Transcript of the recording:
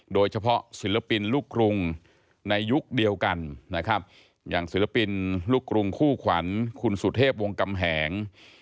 ศิลปินลูกกรุงในยุคเดียวกันนะครับอย่างศิลปินลูกกรุงคู่ขวัญคุณสุเทพวงกำแหง